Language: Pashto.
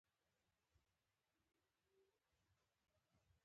کله به رخصتي راشي او د کوم ولایت هوا به خوند کړم.